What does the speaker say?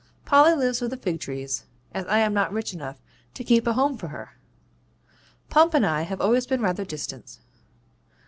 Polly lives with the Figtrees, as I am not rich enough to keep a home for her. 'Pump and I have always been rather distant.